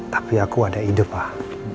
tapi aku ada ide pak